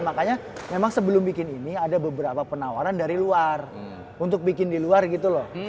makanya memang sebelum bikin ini ada beberapa penawaran dari luar untuk bikin di luar gitu loh